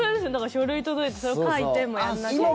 書類届いたら、それを書いてもやんなきゃいけない。